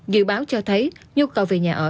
dự báo cho thấy nhu cầu về nhà ở